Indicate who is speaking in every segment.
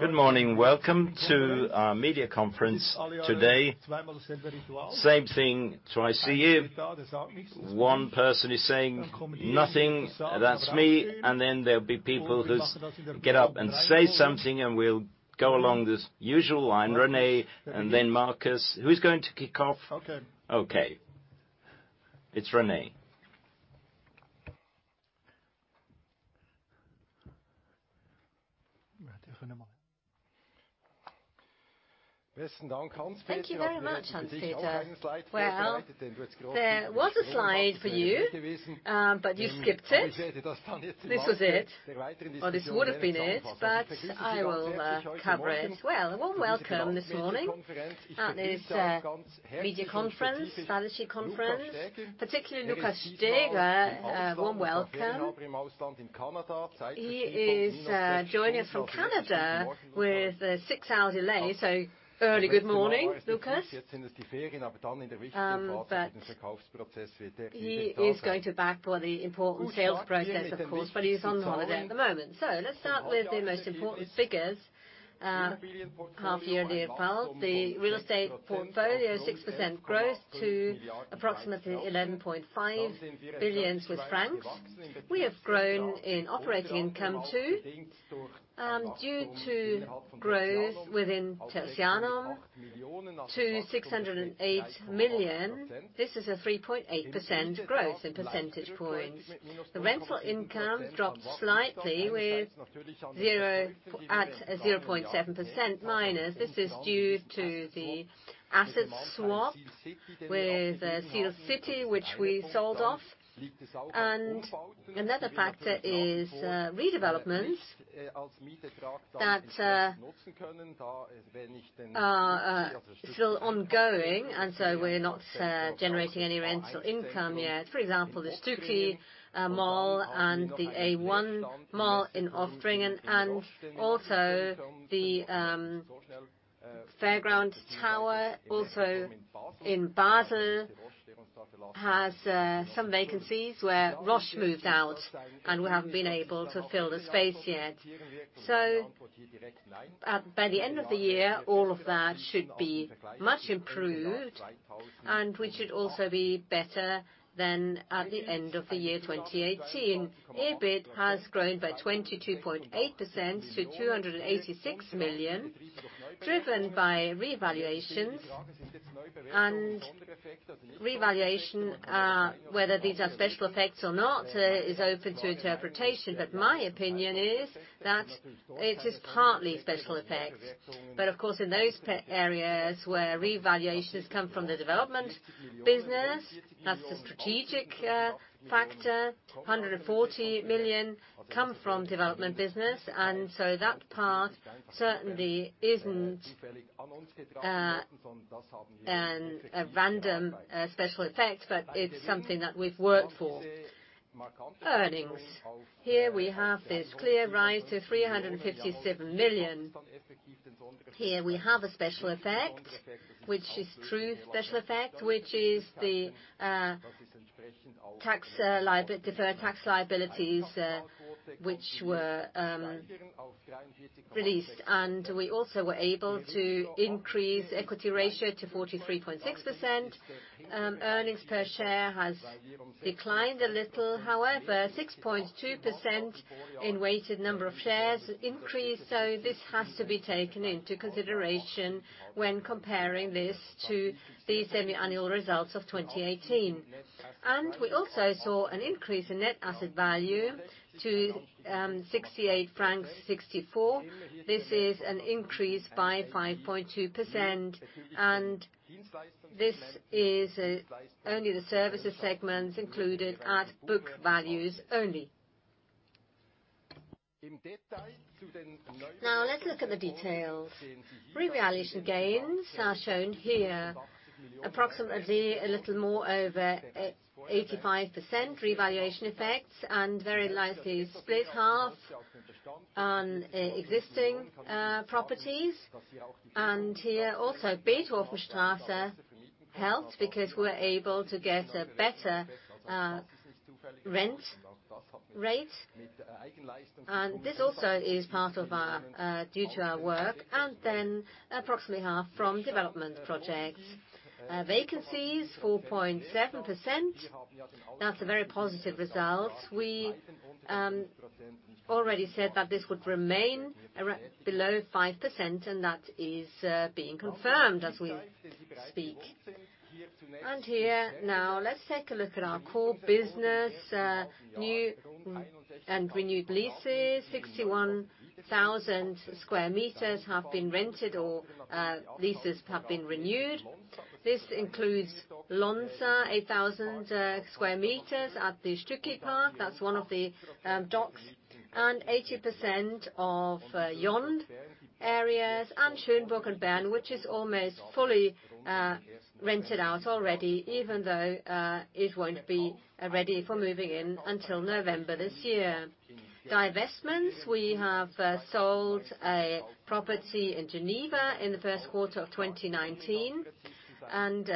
Speaker 1: Good morning. Welcome to our media conference today. Same thing twice a year. One person is saying nothing, that's me, and then there'll be people who get up and say something, and we'll go along this usual line, René, and then Markus. Who's going to kick off?
Speaker 2: Okay.
Speaker 1: Okay. It's René.
Speaker 2: Thank you very much, Hans Peter. Well, there was a slide for you skipped it. This was it, or this would've been it, I will cover it. Well, a warm welcome this morning at this media conference, strategy conference, particularly Luca Stäger, a warm welcome. He is joining us from Canada with a six-hour delay, early good morning, Luca. He is going to back for the important sales process, of course, he's on holiday at the moment. Let's start with the most important figures. Half yearly result. The real estate portfolio, 6% growth to approximately 11.5 billion Swiss francs. We have grown in operating income too, due to growth within Tertianum to 608 million. This is a 3.8% growth in percentage points. The rental income dropped slightly at 0.7% minus. This is due to the asset swap with Sihlcity, which we sold off. Another factor is redevelopment, that are still ongoing, and so we're not generating any rental income yet. For example, the Stücki Shoppingcenter and the A1 retail park in Oftringen, and also the Messeturm, also in Basel, has some vacancies where Roche moved out, and we haven't been able to fill the space yet. By the end of the year, all of that should be much improved, and we should also be better than at the end of the year 2018. EBIT has grown by 22.8% to 286 million, driven by revaluations. Revaluation, whether these are special effects or not, is open to interpretation. My opinion is that it is partly special effects. Of course, in those areas where revaluations come from the development business, that's a strategic factor. 140 million come from development business. That part certainly isn't a random special effect, but it's something that we've worked for. Earnings. Here we have this clear rise to 357 million. Here we have a special effect, which is true special effect, which is the deferred tax liabilities, which were released. We also were able to increase equity ratio to 43.6%. Earnings per share has declined a little. However, 6.2% in weighted number of shares increased, so this has to be taken into consideration when comparing this to the semi-annual results of 2018. We also saw an increase in net asset value to 68.64 francs. This is an increase by 5.2%, and this is only the services segment included at book values only. Now, let's look at the details. Revaluation gains are shown here. Approximately a little more over 85% revaluation effects, and very likely split half on existing properties. Here also Beethovenstrasse helped because we were able to get a better rent rate. This also is due to our work, and then approximately half from development projects. Vacancies 4.7%. That's a very positive result. We already said that this would remain below 5%, and that is being confirmed as we speak. Here, now, let's take a look at our core business. New and renewed leases, 61,000 sq m have been rented or leases have been renewed. This includes Lonza, 8,000 sq m at the Stücki Park. That's one of the docks. 80% of YOND areas and Schönburg in Bern, which is almost fully rented out already, even though it won't be ready for moving in until November this year. Divestments, we have sold a property in Geneva in the first quarter of 2019, and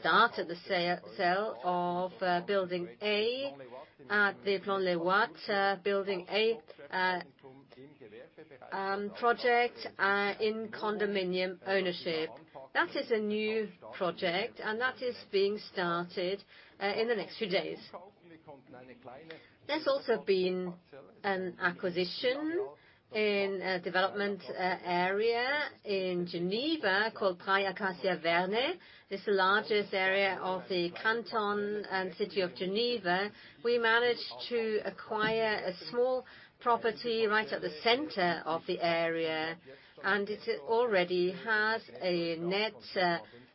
Speaker 2: started the sale of Building A at the Plan-les-Ouates. Building a project in condominium ownership. That is a new project, and that is being started in the next few days. There's also been an acquisition in a development area in Geneva called Praille-Acacias-Vernets. It's the largest area of the canton and City of Geneva. We managed to acquire a small property right at the center of the area, and it already has a net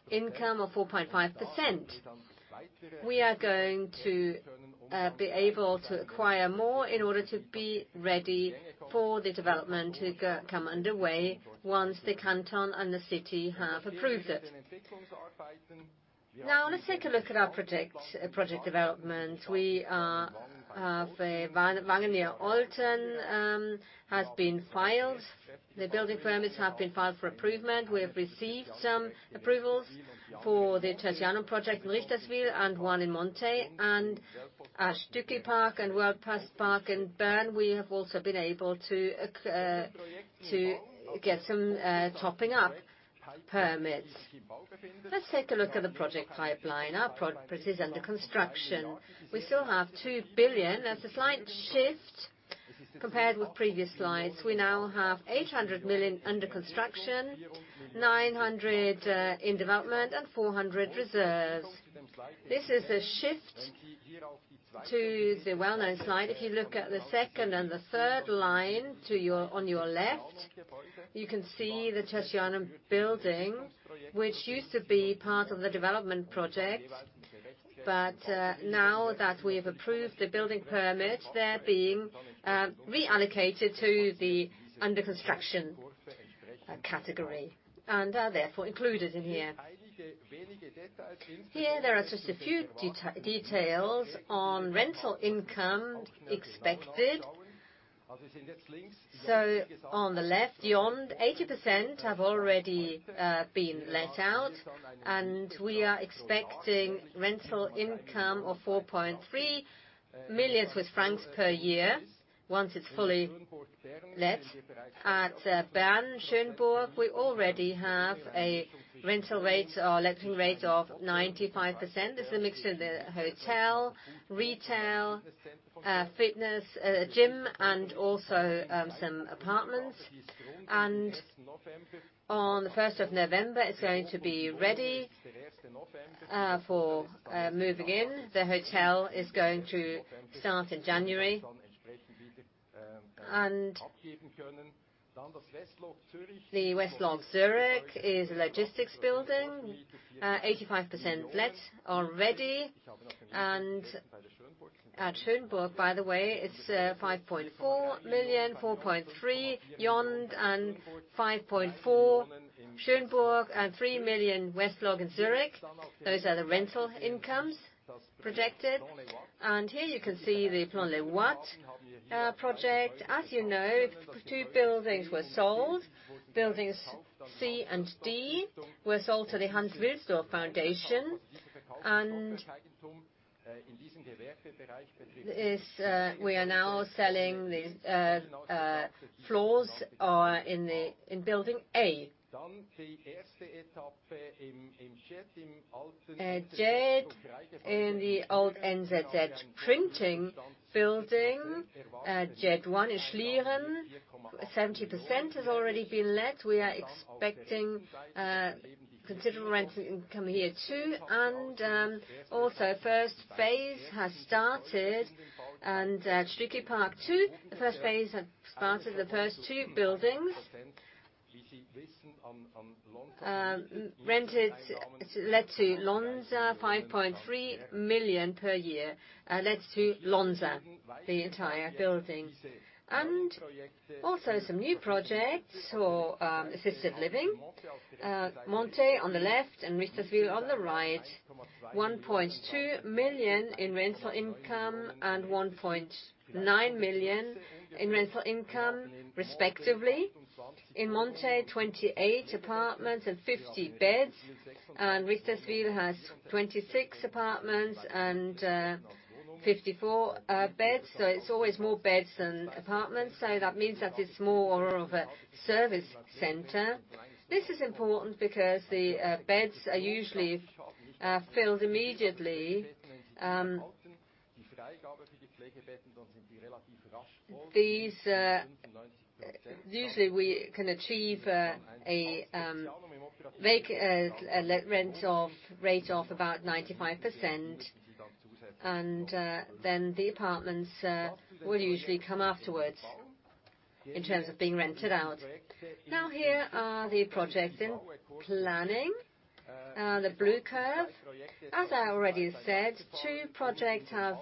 Speaker 2: income of 4.5%. We are going to be able to acquire more in order to be ready for the development to come underway once the canton and the city have approved it. Now let's take a look at our project development. Wangen bei Olten has been filed. The building permits have been filed for approval. We have received some approvals for the Tertianum project in Richterswil and one in Monthey. At Stücki Park and Weltpostpark in Bern, we have also been able to get some topping-up permits. Let's take a look at the project pipeline, our properties under construction. We still have 2 billion. There's a slight shift compared with previous slides. We now have 800 million under construction, 900 million in development, and 400 million reserves. This is a shift to the well-known slide. If you look at the second and the third line on your left, you can see the Tertianum building, which used to be part of the development project. Now that we have approved the building permit, they're being reallocated to the under construction category, and are therefore included in here. Here, there are just a few details on rental income expected. On the left, Yond, 80% have already been let out, and we are expecting rental income of 4.3 million Swiss francs per year once it's fully let. At Bern Schönburg, we already have a rental rate or letting rate of 95%. This is a mixture of the hotel, retail, fitness gym, and also some apartments. On the 1st of November, it's going to be ready for moving in. The hotel is going to start in January. The West-Log Zurich is a logistics building, 85% let already. At Schönburg, by the way, it's 5.4 million, 4.3 Yond, and 5.4 Schönburg, and 3 million West-Log in Zurich. Those are the rental incomes projected. Here you can see the Plan-les-Ouates project. As you know, two buildings were sold. Buildings C and D were sold to the Hans Wilsdorf Foundation. We are now selling these floors in Building A. At JED, in the old NZZ printing building, JED in Schlieren, 70% has already been let. We are expecting considerable rental income here too. First phase has started at Stücki Park, too. The first phase has started, the first two buildings. Rented let to Lonza, 5.3 million per year. Let to Lonza, the entire building. Some new projects for assisted living. Monthey on the left and Richterswil on the right. 1.2 million in rental income and 1.9 million in rental income, respectively. In Monthey, 28 apartments and 50 beds, and Richterswil has 26 apartments and 54 beds. It's always more beds than apartments. That means that it's more of a service center. This is important because the beds are usually filled immediately. Usually, we can achieve a let rate of about 95%, and then the apartments will usually come afterwards in terms of being rented out. Now, here are the projects in planning. The blue color. As I already said, two projects have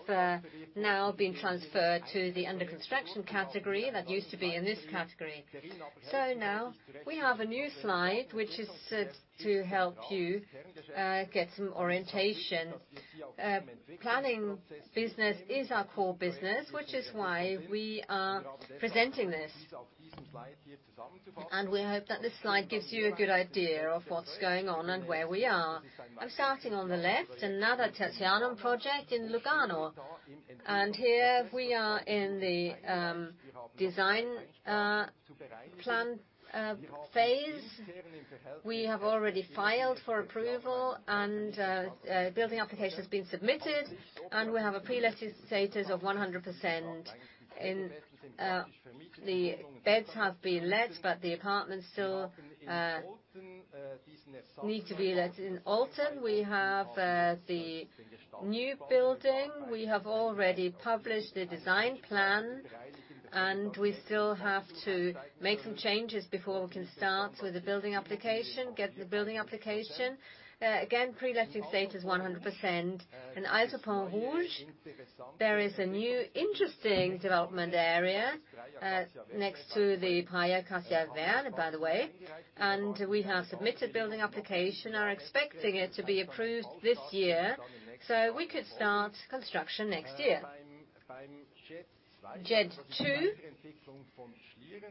Speaker 2: now been transferred to the under-construction category that used to be in this category. Now we have a new slide, which is set to help you get some orientation. Planning business is our core business, which is why we are presenting this. We hope that this slide gives you a good idea of what's going on and where we are. I'm starting on the left, another Tertianum project in Lugano. Here we are in the design plan phase. We have already filed for approval, and a building application has been submitted, and we have a pre-letting status of 100%. The beds have been let, the apartments still need to be let. In Olten, we have the new building. We have already published the design plan, we still have to make some changes before we can start with the building application. Again, pre-letting status, 100%. In Pont-Rouge, there is a new interesting development area next to the Praille-Acacias-Vernets, by the way. We have submitted building application. We are expecting it to be approved this year, we could start construction next year. JED,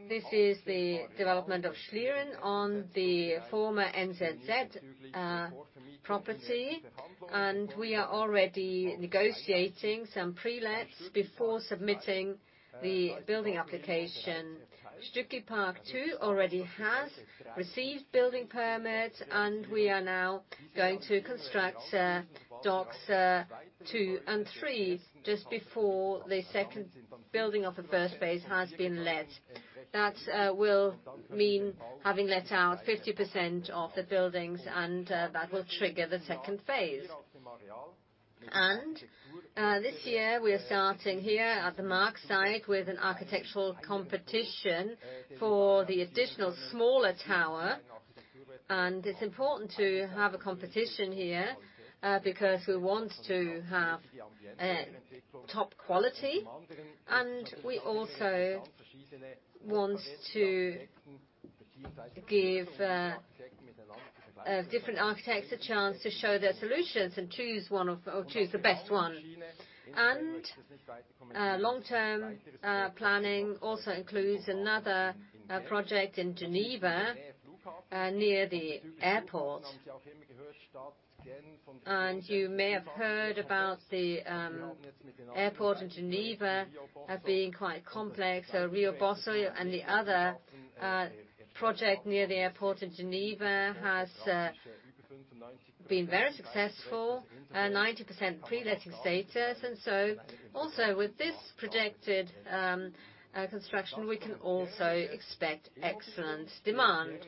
Speaker 2: this is the development of Schlieren on the former NZZ property. We are already negotiating some prelets before submitting the building application. Stücki Park II already has received building permits, we are now going to construct Docks 2 and 3 just before the second building of the first phase has been let. That will mean having let out 50% of the buildings, and that will trigger the second phase. This year we are starting here at the Maag site with an architectural competition for the additional smaller tower. It's important to have a competition here because we want to have top quality, and we also want to give different architects a chance to show their solutions and choose the best one. Long-term planning also includes another project in Geneva, near the airport. You may have heard about the airport in Geneva being quite complex. Riantbosson and the other project near the airport in Geneva has been very successful. 90% pre-letting status. Also with this projected construction, we can also expect excellent demand.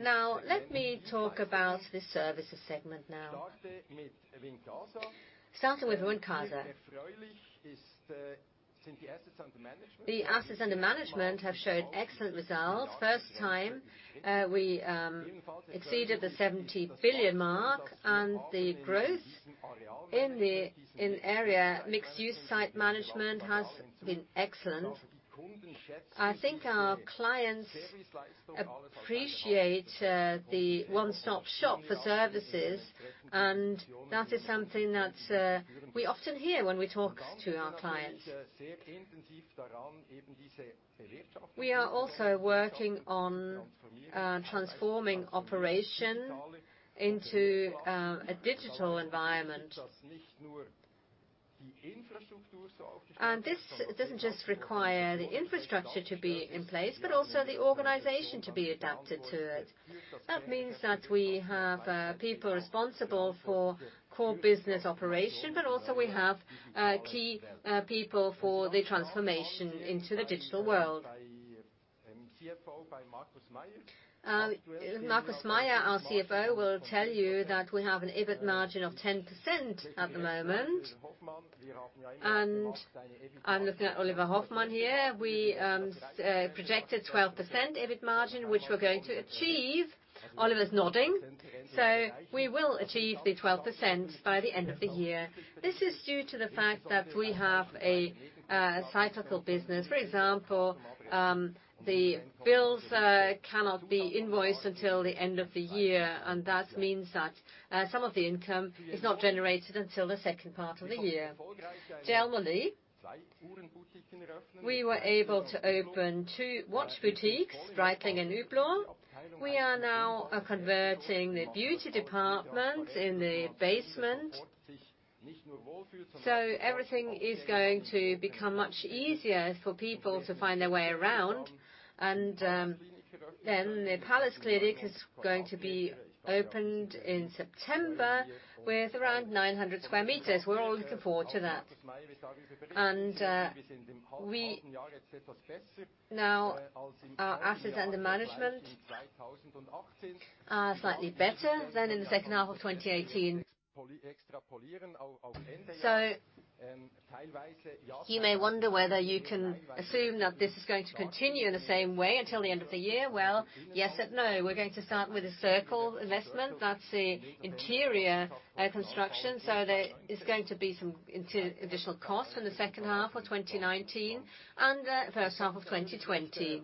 Speaker 2: Now, let me talk about the services segment now. Starting with Wincasa. The assets under management have shown excellent results. First time we exceeded the 70 billion mark, and the growth in the area mixed-use site management has been excellent. I think our clients appreciate the one-stop-shop for services, and that is something that we often hear when we talk to our clients. We are also working on transforming operation into a digital environment. This doesn't just require the infrastructure to be in place, but also the organization to be adapted to it. That means that we have people responsible for core business operation, but also we have key people for the transformation into the digital world. Markus Meier, our CFO, will tell you that we have an EBIT margin of 10% at the moment. I'm looking at Oliver Hofmann here. We projected 12% EBIT margin, which we're going to achieve. Oliver is nodding. We will achieve the 12% by the end of the year. This is due to the fact that we have a cyclical business. For example, the bills cannot be invoiced until the end of the year. That means that some of the income is not generated until the second part of the year. Generally, we were able to open two watch boutiques, Breitling and Hublot. We are now converting the beauty department in the basement. Everything is going to become much easier for people to find their way around. The Palace Clinic is going to be opened in September with around 900 sq m. We're all looking forward to that. Our assets under management are slightly better than in the second half of 2018. You may wonder whether you can assume that this is going to continue in the same way until the end of the year. Well, yes and no. We're going to start with The Circle investment. That's the interior construction. There is going to be some additional costs in the second half of 2019 and first half of 2020.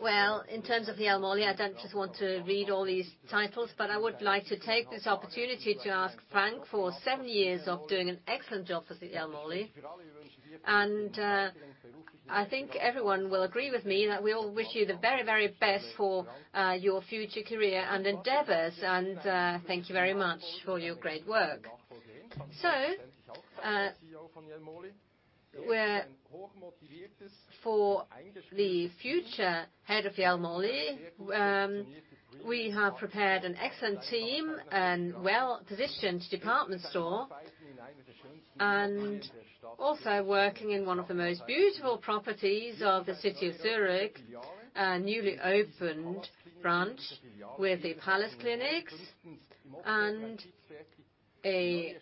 Speaker 2: Well, in terms of the Jelmoli, I don't just want to read all these titles, but I would like to take this opportunity to thank Frank for seven years of doing an excellent job for the Jelmoli. I think everyone will agree with me that we all wish you the very best for your future career and endeavors. Thank you very much for your great work. For the future head of Jelmoli, we have prepared an excellent team and well-positioned department store. Also working in one of the most beautiful properties of the City of Zurich, a newly opened branch with the Palace Clinics, and a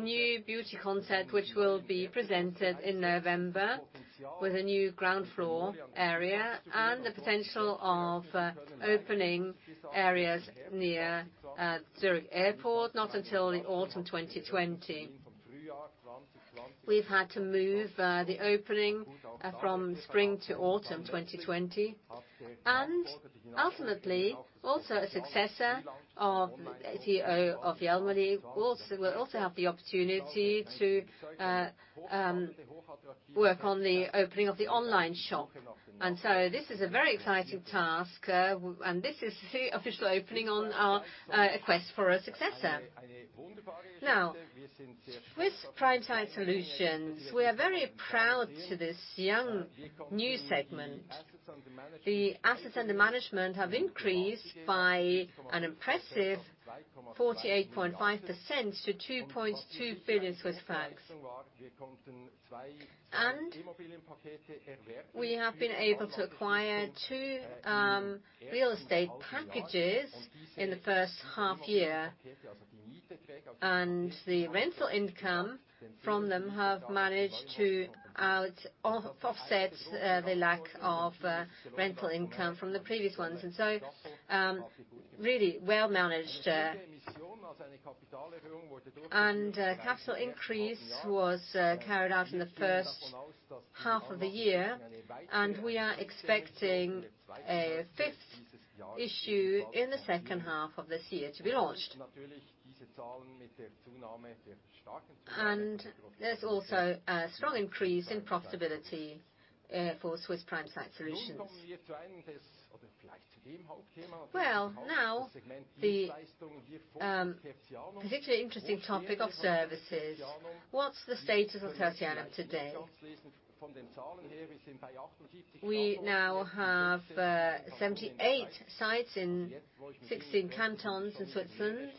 Speaker 2: new beauty concept which will be presented in November, with a new ground floor area and the potential of opening areas near Zurich Airport, not until the autumn 2020. We've had to move the opening from spring to autumn 2020. Ultimately, also a successor of the CEO of Jelmoli will also have the opportunity to work on the opening of the online shop. This is a very exciting task. This is the official opening on our quest for a successor. Now, with Prime Site Solutions, we are very proud to this young new segment. The assets under management have increased by an impressive 48.5% to 2.2 billion Swiss francs. We have been able to acquire two real estate packages in the first half year. The rental income from them have managed to offset the lack of rental income from the previous ones. Really well managed. A capital increase was carried out in the first half of the year, and we are expecting a fifth issue in the second half of this year to be launched. There's also a strong increase in profitability for Swiss Prime Site Solutions. Well, now the particularly interesting topic of services. What's the status of Tertianum today? We now have 78 sites in 16 cantons in Switzerland.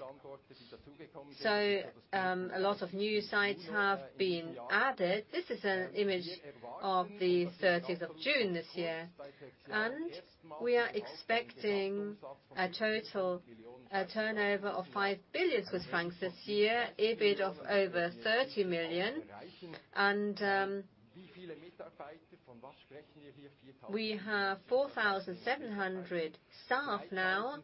Speaker 2: A lot of new sites have been added. This is an image of the 30th of June this year, and we are expecting a total turnover of 5 billion Swiss francs this year, EBIT of over 30 million. We have 4,700 staff now,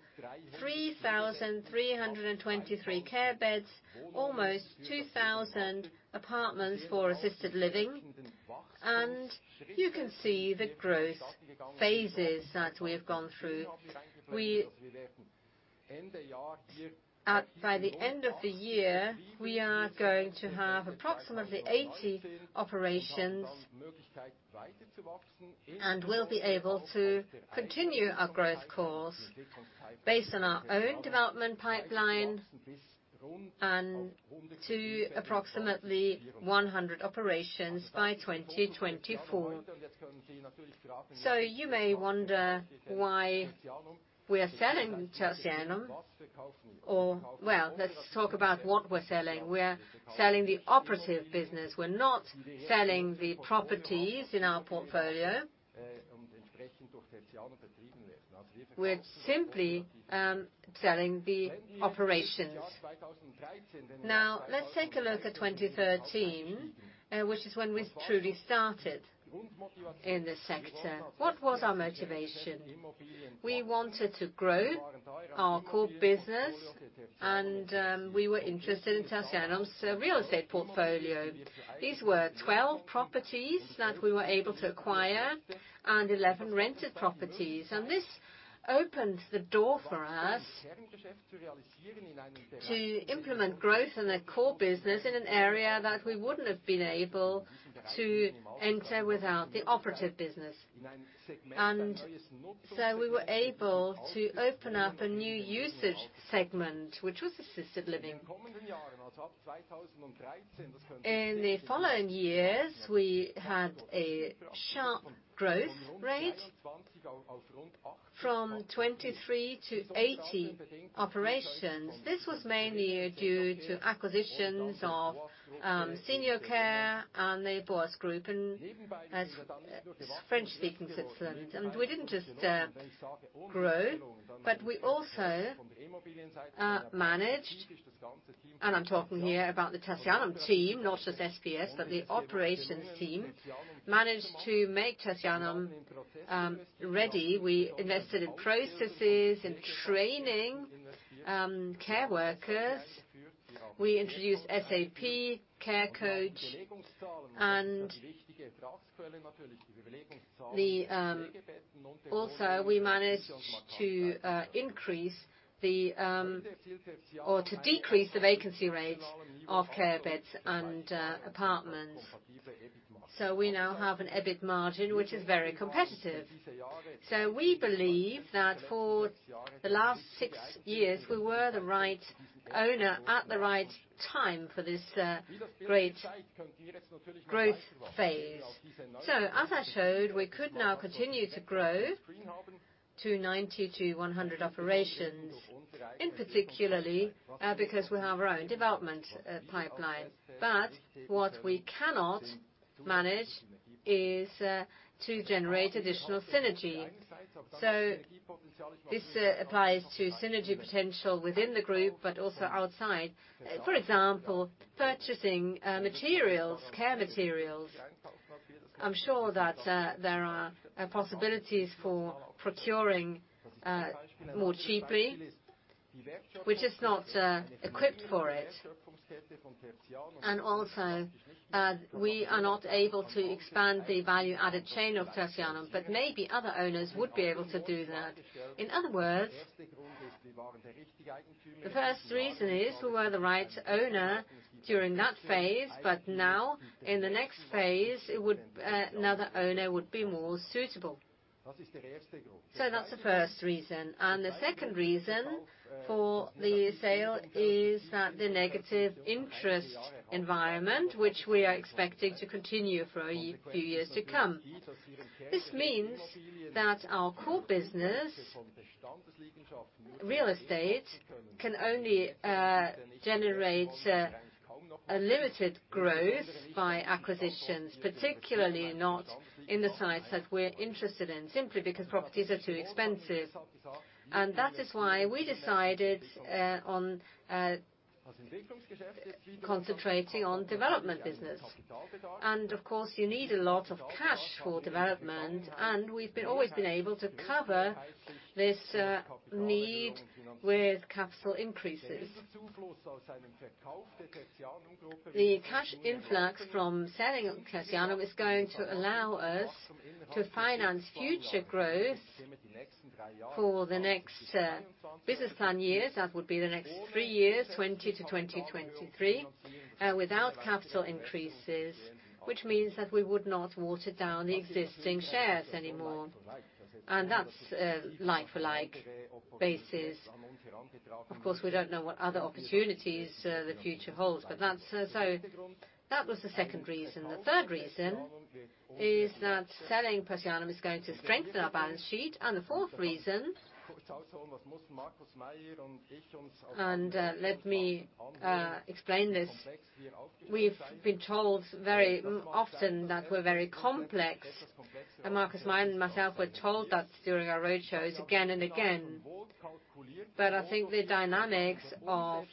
Speaker 2: 3,323 care beds, almost 2,000 apartments for assisted living. You can see the growth phases that we've gone through. By the end of the year, we are going to have approximately 80 operations and we'll be able to continue our growth course based on our own development pipeline to approximately 100 operations by 2024. You may wonder why we are selling Tertianum. Well, let's talk about what we're selling. We're selling the operative business. We're not selling the properties in our portfolio. We're simply selling the operations. Now, let's take a look at 2013, which is when we truly started in this sector. What was our motivation? We wanted to grow our core business, and we were interested in Tertianum's real estate portfolio. These were 12 properties that we were able to acquire and 11 rented properties. This opened the door for us to implement growth in the core business in an area that we wouldn't have been able to enter without the operative business. We were able to open up a new usage segment, which was assisted living. In the following years, we had a sharp growth rate from 23 to 80 operations. This was mainly due to acquisitions of SeneCura, ORPEA Group, and as French-speaking citizens. We didn't just grow, but we also managed, and I'm talking here about the Tertianum team, not just SPS, but the operations team, managed to make Tertianum ready. We invested in processes, in training care workers. We introduced SAP Care Coach. We managed to decrease the vacancy rates of care beds and apartments. We now have an EBIT margin which is very competitive. We believe that for the last six years, we were the right owner at the right time for this great growth phase. As I showed, we could now continue to grow to 90 to 100 operations, and particularly, because we have our own development pipeline. What we cannot manage is to generate additional synergy. This applies to synergy potential within the group, but also outside. For example, purchasing materials, care materials. I'm sure that there are possibilities for procuring more cheaply. We're just not equipped for it. Also, we are not able to expand the value-added chain of Tertianum, but maybe other owners would be able to do that. In other words, the first reason is we were the right owner during that phase, but now in the next phase, another owner would be more suitable. That's the first reason. The second reason for the sale is that the negative interest environment, which we are expecting to continue for a few years to come. This means that our core business, real estate, can only generate a limited growth by acquisitions, particularly not in the sites that we're interested in, simply because properties are too expensive. That is why we decided on concentrating on development business. Of course, you need a lot of cash for development, and we've always been able to cover this need with capital increases. The cash influx from selling Tertianum is going to allow us to finance future growth for the next business plan years. That would be the next three years, 2020-2023, without capital increases, which means that we would not water down the existing shares anymore. That's a like-for-like basis. Of course, we don't know what other opportunities the future holds. That was the second reason. The third reason is that selling Tertianum is going to strengthen our balance sheet. The fourth reason, and let me explain this. We've been told very often that we're very complex. Markus Meier and myself were told that during our roadshows again and again. I think the dynamics of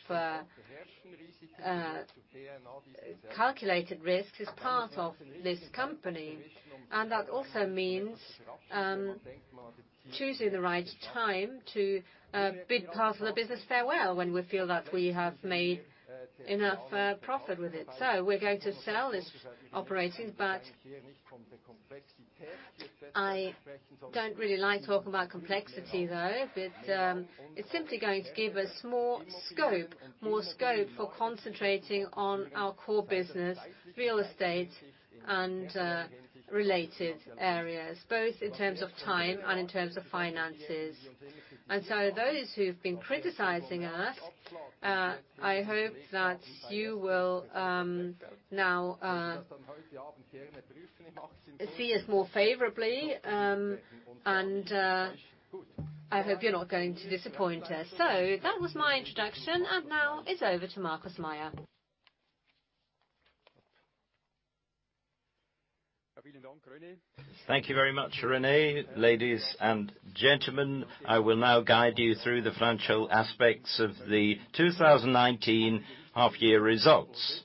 Speaker 2: calculated risks is part of this company, and that also means choosing the right time to bid part of the business farewell when we feel that we have made enough profit with it. We're going to sell this operating, but I don't really like talking about complexity, though. It's simply going to give us more scope. More scope for concentrating on our core business, real estate and related areas, both in terms of time and in terms of finances. Those who've been criticizing us, I hope that you will now see us more favorably, and I hope you're not going to disappoint us. That was my introduction, and now it's over to Markus Meier.
Speaker 3: Thank you very much, René. Ladies and gentlemen, I will now guide you through the financial aspects of the 2019 half year results.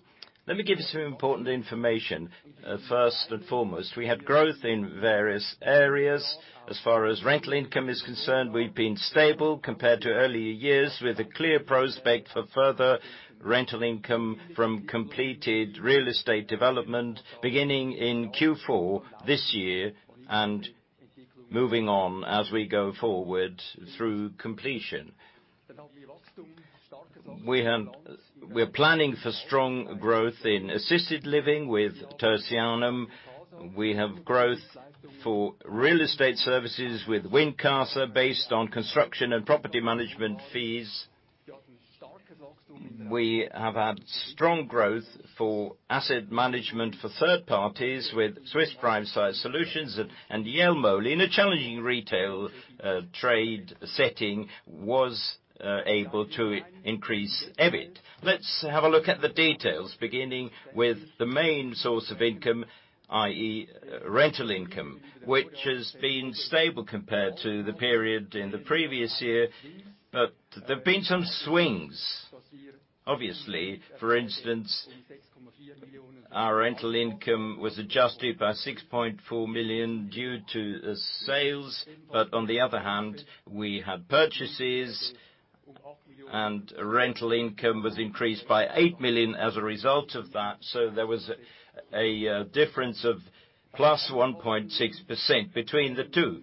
Speaker 3: Let me give you some important information. First and foremost, we had growth in various areas. As far as rental income is concerned, we've been stable compared to earlier years, with a clear prospect for further rental income from completed real estate development beginning in Q4 this year and moving on as we go forward through completion. We're planning for strong growth in assisted living with Tertianum. We have growth for real estate services with Wincasa, based on construction and property management fees. We have had strong growth for asset management for third parties with Swiss Prime Site Solutions and Jelmoli, in a challenging retail trade setting, was able to increase EBIT. Let's have a look at the details, beginning with the main source of income, i.e., rental income, which has been stable compared to the period in the previous year. There have been some swings, obviously. For instance, our rental income was adjusted by 6.4 million due to sales. On the other hand, we had purchases, and rental income was increased by 8 million as a result of that. There was a difference of +1.6% between the two.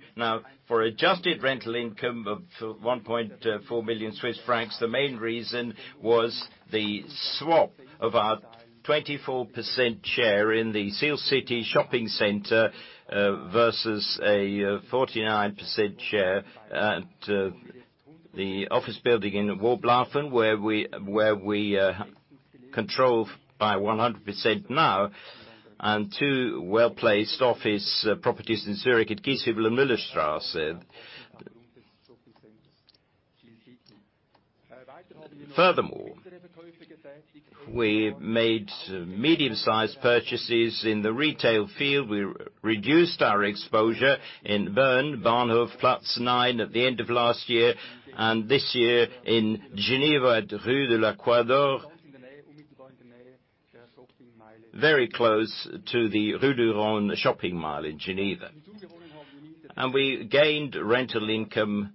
Speaker 3: For adjusted rental income of 1.4 million Swiss francs, the main reason was the swap of our 24% share in the Sihlcity Shopping Center versus a 49% share at the office building in Worblaufen, where we control by 100% now, and two well-placed office properties in Zurich at Giesshübelstrasse and Müllerstrasse. Furthermore, we made medium-sized purchases in the retail field. We reduced our exposure in Bern, Bahnhofplatz 9, at the end of last year, this year in Geneva at Rue de l'Equateur, very close to the Rue du Rhône shopping mall in Geneva. We gained rental income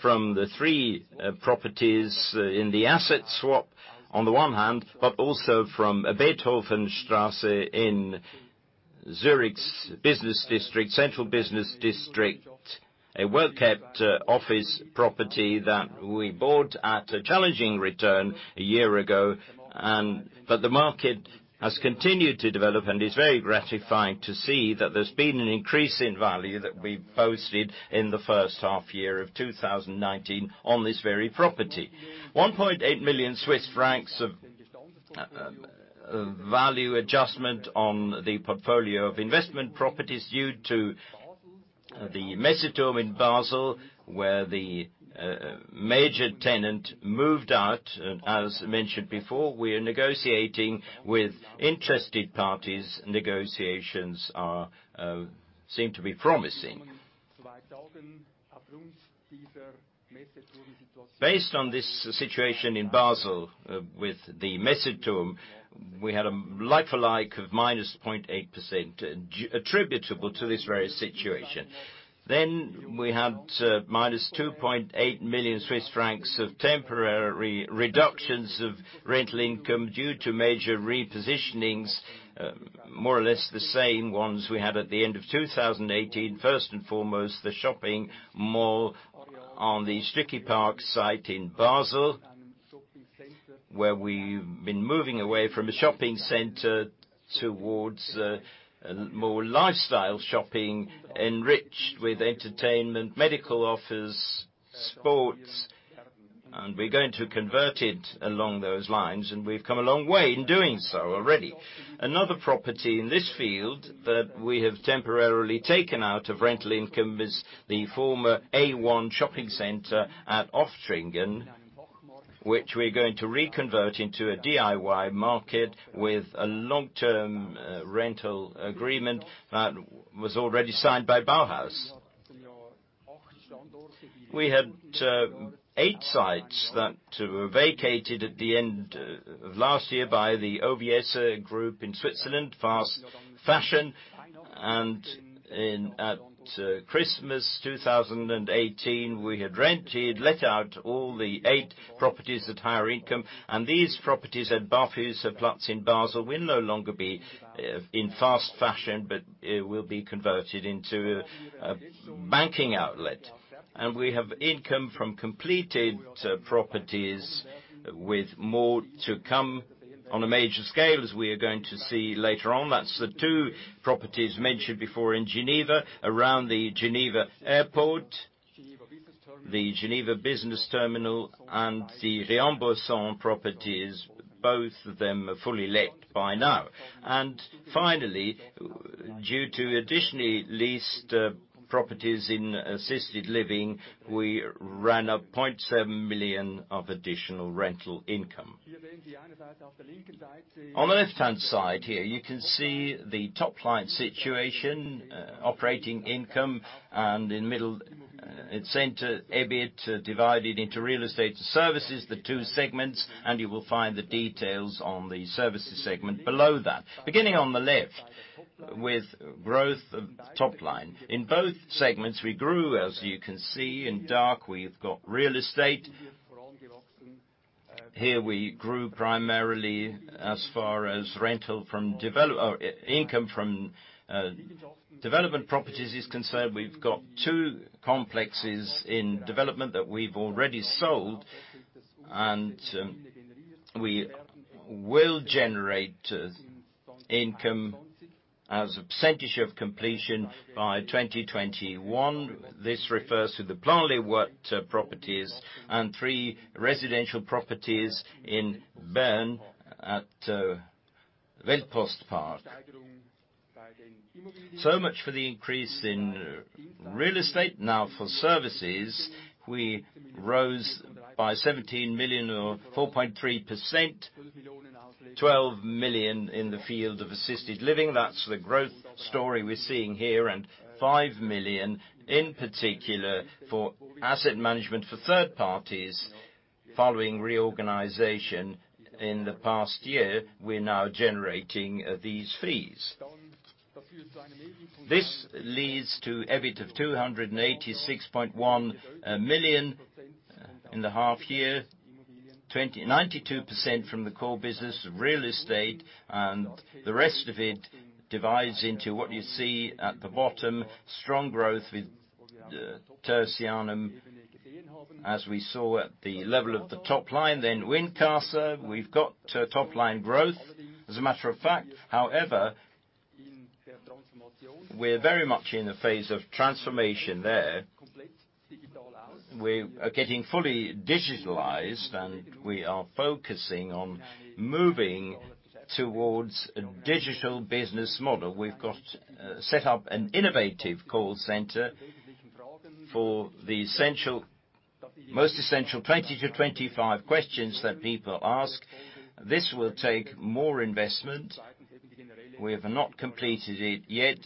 Speaker 3: from the three properties in the asset swap on the one hand, but also from Beethovenstrasse in Zurich's central business district, a well-kept office property that we bought at a challenging return a year ago. The market has continued to develop, and it's very gratifying to see that there's been an increase in value that we posted in the first half year of 2019 on this very property. 1.8 million Swiss francs of value adjustment on the portfolio of investment properties due to the Messeturm in Basel, where the major tenant moved out. As mentioned before, we are negotiating with interested parties. Negotiations seem to be promising. Based on this situation in Basel with the Messeturm, we had a like for like of minus 0.8% attributable to this very situation. We had minus 2.8 million Swiss francs of temporary reductions of rental income due to major repositionings, more or less the same ones we had at the end of 2018. First and foremost, the shopping mall on the Stücki Park site in Basel, where we've been moving away from a shopping center towards a more lifestyle shopping, enriched with entertainment, medical office, sports. We're going to convert it along those lines, and we've come a long way in doing so already. Another property in this field that we have temporarily taken out of rental income is the former A1 shopping center at Oftringen, which we're going to reconvert into a DIY market with a long-term rental agreement that was already signed by BAUHAUS. We had eight sites that were vacated at the end of last year by the OVS Group in Switzerland, fast fashion. At Christmas 2018, we had rented, let out all the eight properties at higher income. These properties at Bahnhofstrasse in Basel will no longer be in fast fashion, but it will be converted into a banking outlet. We have income from completed properties with more to come on a major scale as we are going to see later on. That's the two properties mentioned before in Geneva, around the Geneva Airport, the Geneva Business Terminal, and the Riantbosson properties, both of them fully let by now. Finally, due to additionally leased properties in assisted living, we ran a 0.7 million of additional rental income. On the left-hand side here, you can see the top-line situation, operating income, and in middle, at center, EBIT divided into real estate services, the two segments. You will find the details on the services segment below that. Beginning on the left with growth top line. In both segments, we grew, as you can see. In dark, we've got real estate. Here we grew primarily as far as income from development properties is concerned. We've got two complexes in development that we've already sold. We will generate income as a percentage of completion by 2021. This refers to the Plan-les-Ouates properties and three residential properties in Bern at Weltpostpark. Much for the increase in real estate. For services, we rose by 17 million or 4.3%, 12 million in the field of assisted living. That's the growth story we're seeing here, 5 million in particular for asset management for third parties. Following reorganization in the past year, we are now generating these fees. This leads to EBIT of 286.1 million in the half year, 92% from the core business of real estate, the rest of it divides into what you see at the bottom, strong growth with Tertianum, as we saw at the level of the top line. Wincasa, we've got top line growth, as a matter of fact. However, we are very much in the phase of transformation there. We are getting fully digitalized, and we are focusing on moving towards a digital business model. We've set up an innovative call center for the most essential 20-25 questions that people ask. This will take more investment. We have not completed it yet.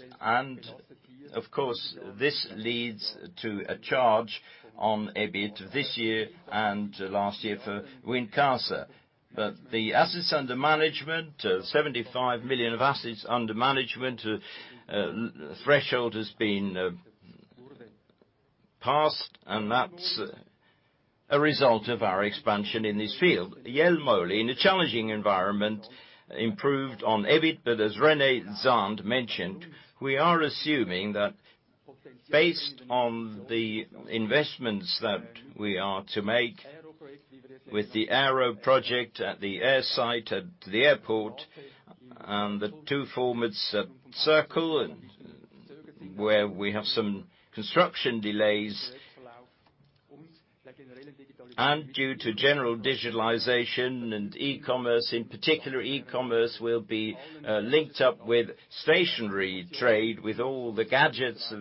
Speaker 3: Of course, this leads to a charge on EBIT this year and last year for Wincasa. The assets under management, 75 million of assets under management threshold has been passed, and that's a result of our expansion in this field. Jelmoli, in a challenging environment, improved on EBIT. As René Zahnd mentioned, we are assuming that based on the investments that we are to make with the aero project at the air site, at the airport, and the two formats Circle and where we have some construction delays. Due to general digitalization and e-commerce in particular, e-commerce will be linked up with stationary trade. With all the gadgets,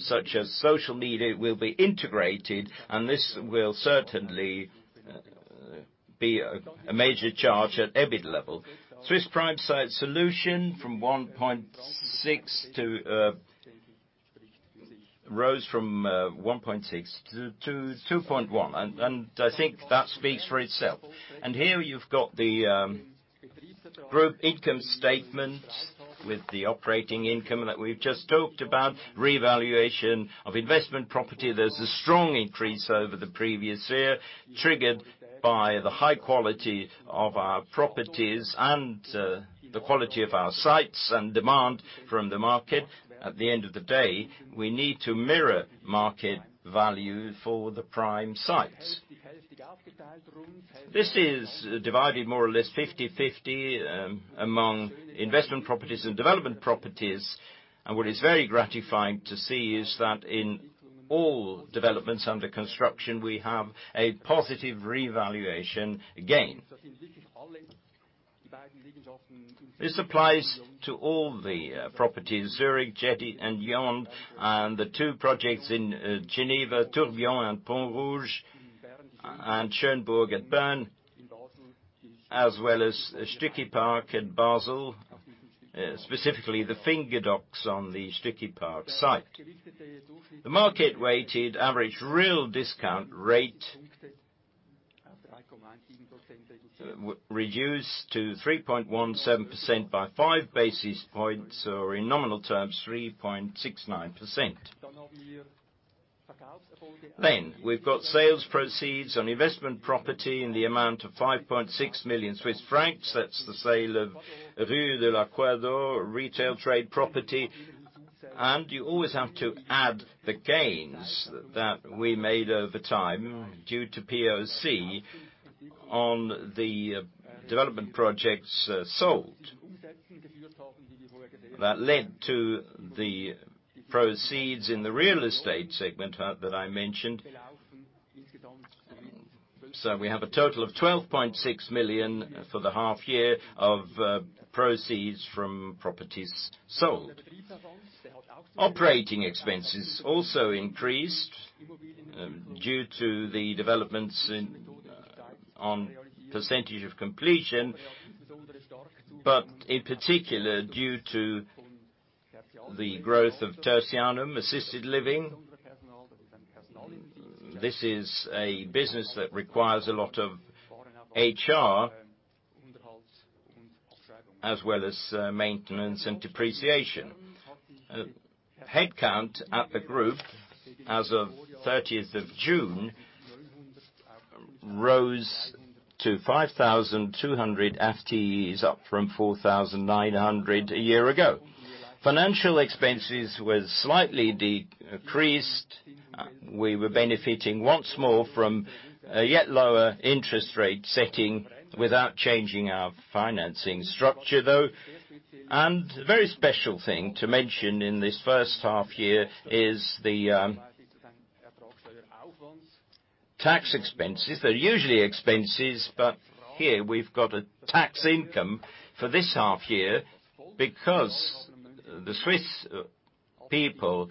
Speaker 3: such as social media, will be integrated, and this will certainly be a major charge at EBIT level. Swiss Prime Site Solutions rose from 1.6% to 2.1%. I think that speaks for itself. Here you've got the group income statement with the operating income that we've just talked about. Revaluation of investment property. There's a strong increase over the previous year, triggered by the high quality of our properties and the quality of our sites and demand from the market. At the end of the day, we need to mirror market value for the prime sites. This is divided more or less 50/50 among investment properties and development properties. What is very gratifying to see is that in all developments under construction, we have a positive revaluation gain. This applies to all the properties, Zurich, JED, and YOND, and the two projects in Geneva, Espace Tourbillon and Pont-Rouge, and Schönburg at Bern, as well as Stücki Park at Basel, specifically the finger docks on the Stücki Park site. The market-weighted average real discount rate reduced to 3.17% by 5 basis points, or in nominal terms, 3.69%. We've got sales proceeds on investment property in the amount of 5.6 million Swiss francs. That's the sale of Rue de l'Equateur retail trade property. You always have to add the gains that we made over time due to POC on the development projects sold. That led to the proceeds in the real estate segment that I mentioned. We have a total of 12.6 million for the half year of proceeds from properties sold. Operating expenses also increased due to the developments on percentage of completion, but in particular, due to the growth of Tertianum assisted living. This is a business that requires a lot of HR as well as maintenance and depreciation. Headcount at the group as of 30th of June rose to 5,200 FTEs, up from 4,900 a year ago. Financial expenses were slightly decreased. We were benefiting once more from a yet lower interest rate setting without changing our financing structure though. Very special thing to mention in this first half year is the tax expenses. They're usually expenses. Here we've got a tax income for this half year because the Swiss people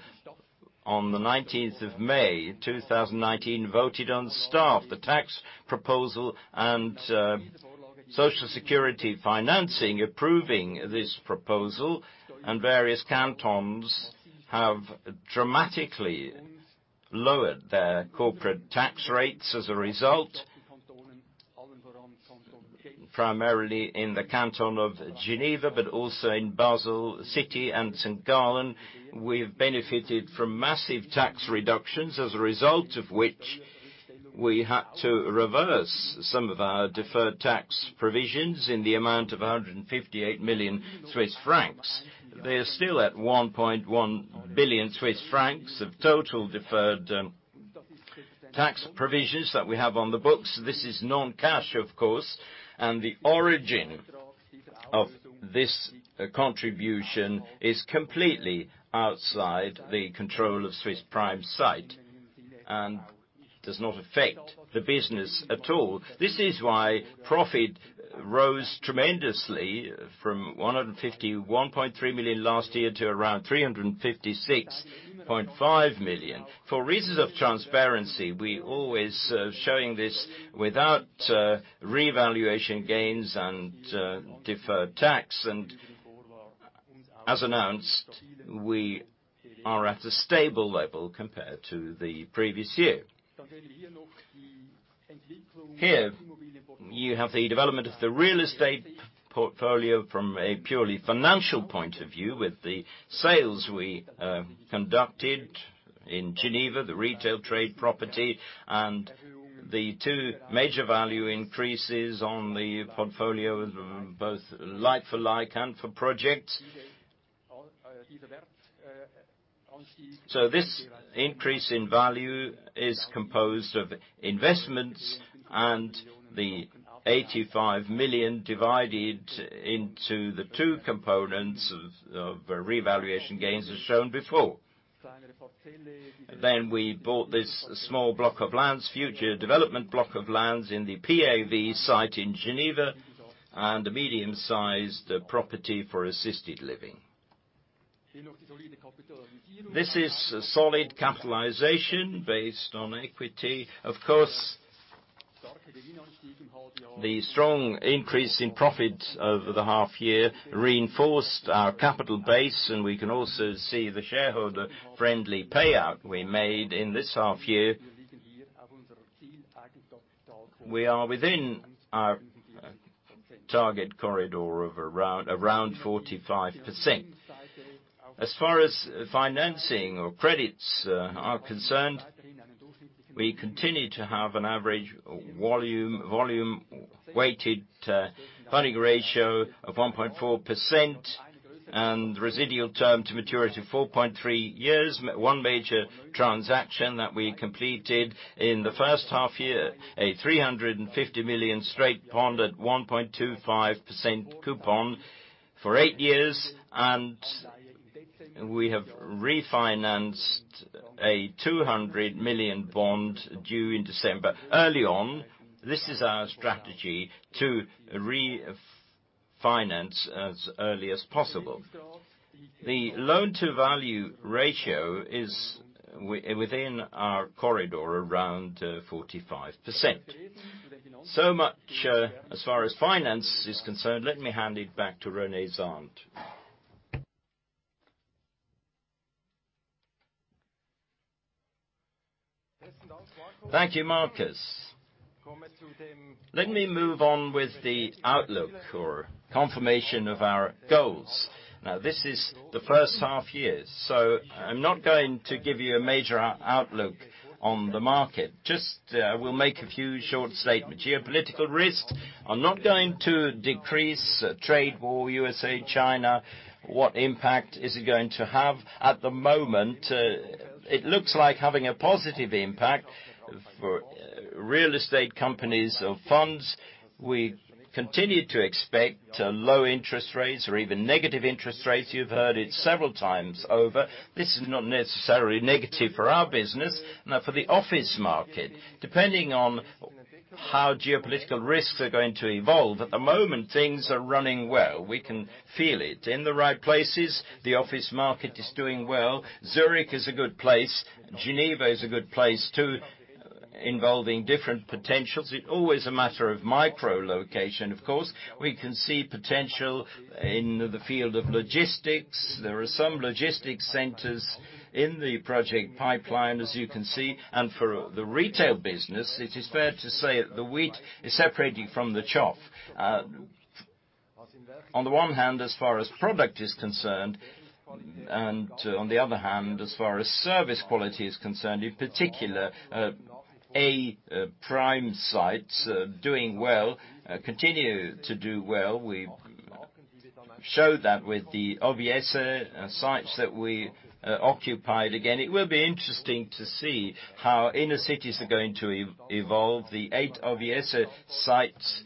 Speaker 3: on the 19th of May, 2019, voted on STAF the tax proposal and social security financing, approving this proposal, and various cantons have dramatically lowered their corporate tax rates as a result, primarily in the canton of Geneva, but also in Basel City and St. Gallen. We've benefited from massive tax reductions, as a result of which we had to reverse some of our deferred tax provisions in the amount of 158 million Swiss francs. They're still at 1.1 billion Swiss francs of total deferred tax provisions that we have on the books. This is non-cash, of course. The origin of this contribution is completely outside the control of Swiss Prime Site and does not affect the business at all. This is why profit rose tremendously from 151.3 million last year to around 356.5 million. For reasons of transparency, we always showing this without revaluation gains and deferred tax. As announced, we are at a stable level compared to the previous year. Here, you have the development of the real estate portfolio from a purely financial point of view with the sales we conducted in Geneva, the retail trade property, and the two major value increases on the portfolio, both like for like and for projects. This increase in value is composed of investments and the 85 million divided into the two components of revaluation gains, as shown before. We bought this small block of lands, future development block of lands in the PAV site in Geneva and a medium-sized property for assisted living. This is a solid capitalization based on equity. Of course, the strong increase in profits over the half year reinforced our capital base, and we can also see the shareholder-friendly payout we made in this half year. We are within our target corridor of around 45%. As far as financing or credits are concerned, we continue to have an average volume weighted funding ratio of 1.4% and residual term to maturity, 4.3 years. One major transaction that we completed in the first half year, a 350 million straight bond at 1.25% coupon for eight years, and we have refinanced a 200 million bond due in December early on. This is our strategy to refinance as early as possible. The loan-to-value ratio is within our corridor, around 45%. Much as far as finance is concerned. Let me hand it back to René Zahnd.
Speaker 2: Thank you, Markus. Let me move on with the outlook or confirmation of our goals. This is the first half-year, I'm not going to give you a major outlook on the market. We'll make a few short statements. Geopolitical risks are not going to decrease. Trade war, U.S., China, what impact is it going to have? At the moment, it looks like having a positive impact for real estate companies or funds. We continue to expect low interest rates or even negative interest rates. You've heard it several times over. This is not necessarily negative for our business. For the office market, depending on how geopolitical risks are going to evolve, at the moment, things are running well. We can feel it. In the right places, the office market is doing well. Zurich is a good place. Geneva is a good place, too, involving different potentials. It's always a matter of microlocation, of course. We can see potential in the field of logistics. There are some logistics centers in the project pipeline, as you can see. For the retail business, it is fair to say the wheat is separating from the chaff. On the one hand, as far as product is concerned, and on the other hand, as far as service quality is concerned, in particular, A Prime Sites doing well, continue to do well. We showed that with the OVS sites that we occupied again. It will be interesting to see how inner cities are going to evolve. The eight OVS sites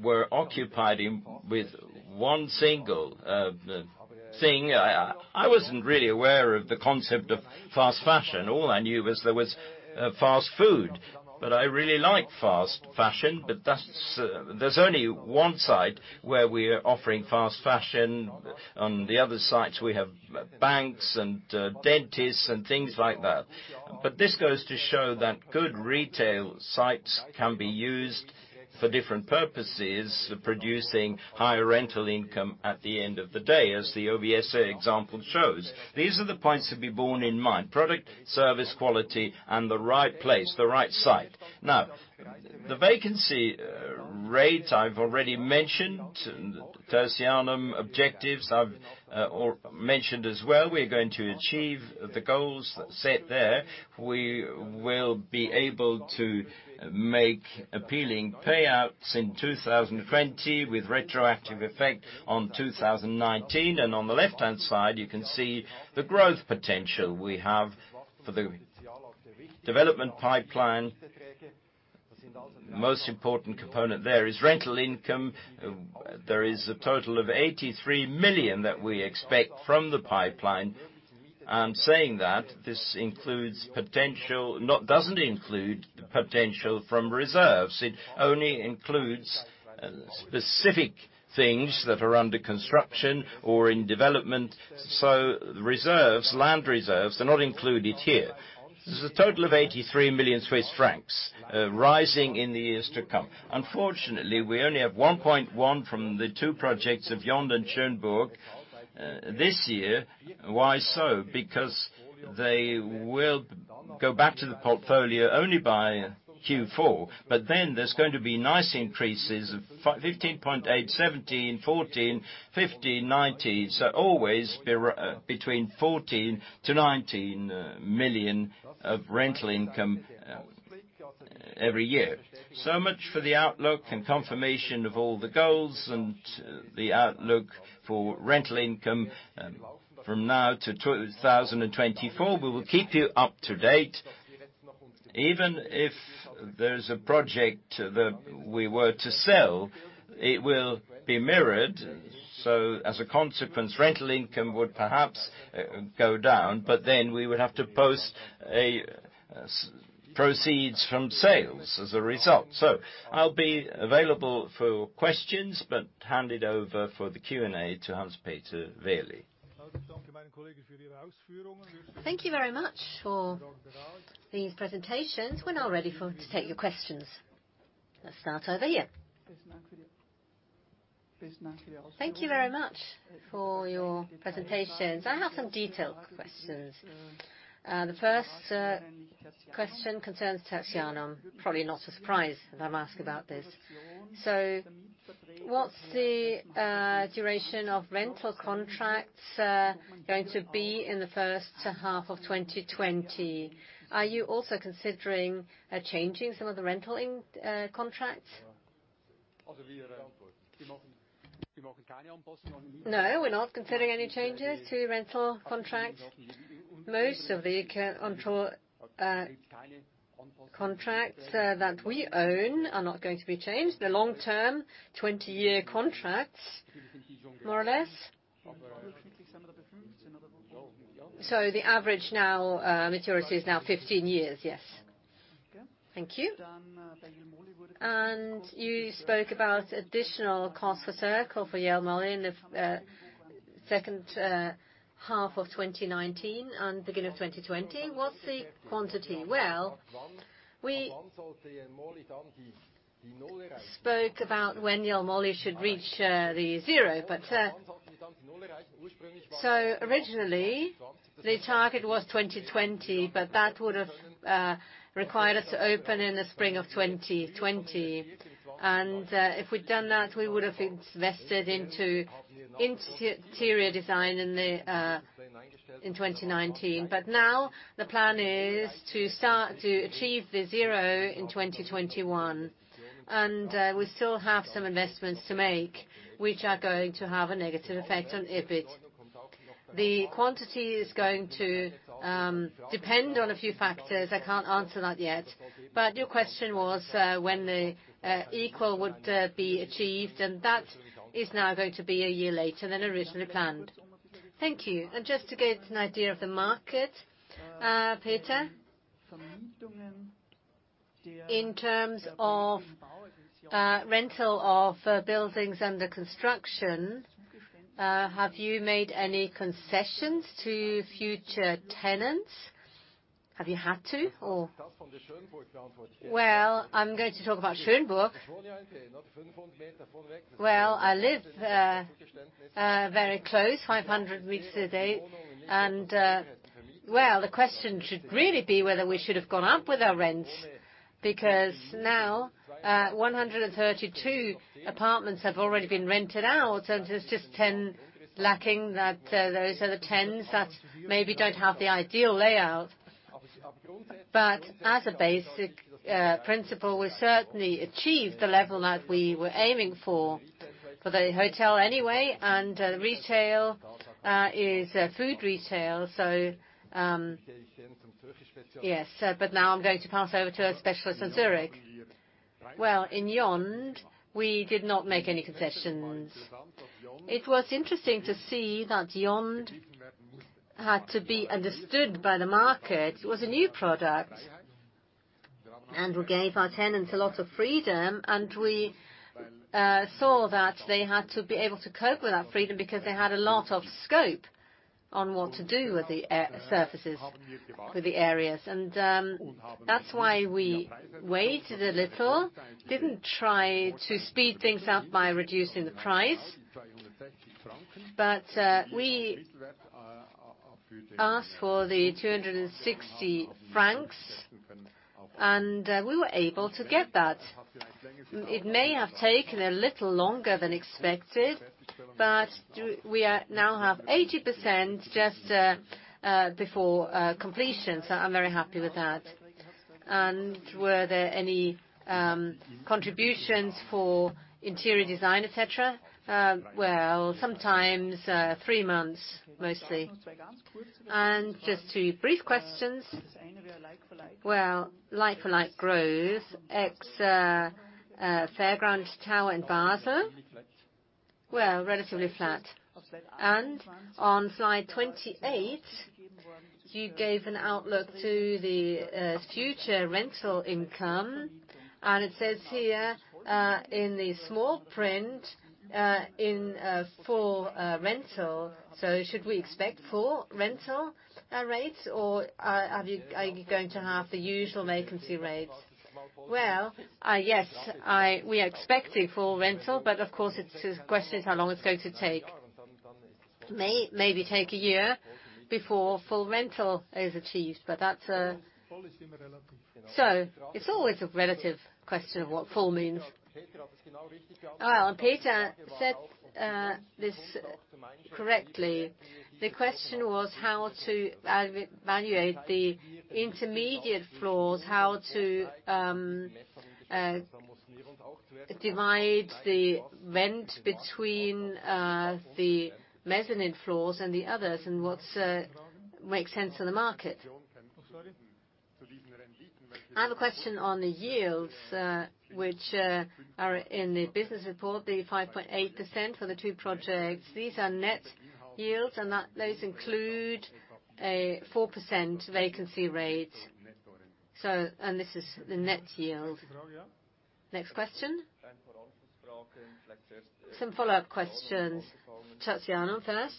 Speaker 2: were occupied with one single thing. I wasn't really aware of the concept of fast fashion. All I knew was there was fast food, but I really like fast fashion. There's only one site where we're offering fast fashion. On the other sites, we have banks and dentists and things like that. This goes to show that good retail sites can be used for different purposes, producing high rental income at the end of the day, as the OVS example shows. These are the points to be borne in mind. Product, service quality, and the right place, the right site. The vacancy rates, I've already mentioned. Tertianum objectives, I've mentioned as well. We're going to achieve the goals set there. We will be able to make appealing payouts in 2020 with retroactive effect on 2019. On the left-hand side, you can see the growth potential we have for the development pipeline. Most important component there is rental income. There is a total of 83 million that we expect from the pipeline. I'm saying that this doesn't include potential from reserves. It only includes specific things that are under construction or in development. The reserves, land reserves, are not included here. There's a total of 83 million Swiss francs rising in the years to come. Unfortunately, we only have 1.1 from the two projects of YOND and Schönburg this year. Why so? Because they will go back to the portfolio only by Q4. There's going to be nice increases of 15.8, 17, 14, 15, 19. Always between 14 million to 19 million of rental income every year. Much for the outlook and confirmation of all the goals and the outlook for rental income from now to 2024. We will keep you up to date. Even if there's a project that we were to sell, it will be mirrored. As a consequence, rental income would perhaps go down, but then we would have to post proceeds from sales as a result. I'll be available for questions, but hand it over for the Q&A to Hans Peter Wehrli.
Speaker 1: Thank you very much for these presentations. We're now ready to take your questions. Let's start over here.
Speaker 4: Thank you very much for your presentations. I have some detailed questions. The first question concerns Tertianum. Probably not a surprise that I'm asking about this. What's the duration of rental contracts going to be in the first half of 2020? Are you also considering changing some of the rental contracts?
Speaker 2: No, we're not considering any changes to rental contracts. Most of the contracts that we own are not going to be changed. They're long-term, 20-year contracts, more or less.
Speaker 3: The average now, maturity is now 15 years.
Speaker 2: Yes.
Speaker 4: Thank you. You spoke about additional cost for Circle, for Jelmoli in the second half of 2019 and beginning of 2020. What's the quantity? Spoke about when Jelmoli should reach the zero. Originally, the target was 2020, but that would have required us to open in the spring of 2020. If we'd done that, we would have invested into interior design in 2019. Now the plan is to achieve the zero in 2021. We still have some investments to make, which are going to have a negative effect on EBIT. The quantity is going to depend on a few factors. I can't answer that yet. Your question was when the equal would be achieved, and that is now going to be a year later than originally planned. Thank you. Just to get an idea of the market, Peter, in terms of rental of buildings under construction, have you made any concessions to future tenants? Have you had to, or?
Speaker 2: I'm going to talk about Schönburg. I live
Speaker 3: Very close, 500 weeks to date. Well, the question should really be whether we should have gone up with our rents, because now 132 apartments have already been rented out, and there's just 10 lacking. Those are the 10 that maybe don't have the ideal layout. As a basic principle, we certainly achieved the level that we were aiming for the hotel anyway, and retail is food retail. Yes. Now I'm going to pass over to a specialist in Zurich. Well, in YOND, we did not make any concessions. It was interesting to see that YOND had to be understood by the market.
Speaker 4: It was a new product, and we gave our tenants a lot of freedom, and we saw that they had to be able to cope with that freedom because they had a lot of scope on what to do with the surfaces, with the areas. That's why we waited a little, didn't try to speed things up by reducing the price. We asked for the 260 francs, and we were able to get that. It may have taken a little longer than expected, but we now have 80% just before completion, so I'm very happy with that. Were there any contributions for interior design, et cetera? Well, sometimes, three months, mostly. Just two brief questions. Well, like for like growth ex Messeturm in Basel, well, relatively flat. On slide 28, you gave an outlook to the future rental income, and it says here in the small print, in full rental. Should we expect full rental rates, or are you going to have the usual vacancy rates? Well, yes, we are expecting full rental, but of course, the question is how long it's going to take. May take a year before full rental is achieved, but that's always a relative question of what full means. Well, Peter said this correctly. The question was how to evaluate the intermediate floors, how to divide the rent between the mezzanine floors and the others, and what makes sense for the market. I have a question on the yields, which are in the business report, the 5.8% for the two projects. These are net yields, and those include a 4% vacancy rate. This is the net yield. Next question. Some follow-up questions. Tertianum first.